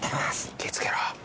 気つけろ。